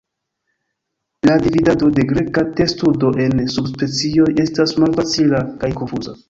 La dividado de Greka testudo en subspecioj estas malfacila kaj konfuza.